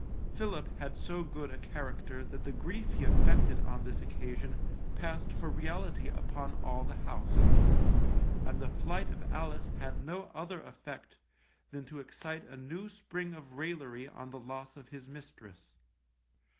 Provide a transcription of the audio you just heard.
Philip had so good a character that the grief he affected on this occasion passed for reality upon all the house, and the flight of Alice had no other effect than to excite a new spring of railery on the loss of his mistress.